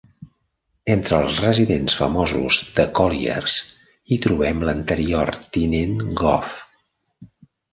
Entre els residents famosos de Colliers hi trobem l"anterior Tinent Gov.